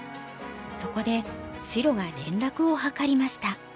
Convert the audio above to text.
そこで白が連絡を図りました。